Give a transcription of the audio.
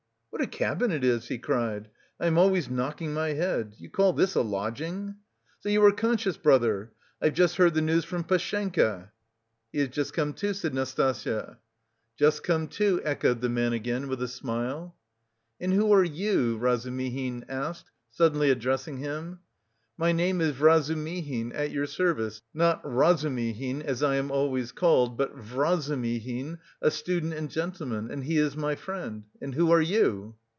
"What a cabin it is!" he cried. "I am always knocking my head. You call this a lodging! So you are conscious, brother? I've just heard the news from Pashenka." "He has just come to," said Nastasya. "Just come to," echoed the man again, with a smile. "And who are you?" Razumihin asked, suddenly addressing him. "My name is Vrazumihin, at your service; not Razumihin, as I am always called, but Vrazumihin, a student and gentleman; and he is my friend. And who are you?"